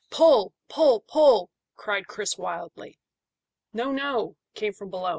"Pull, pull, pull!" cried Chris wildly. "No, no!" came from below.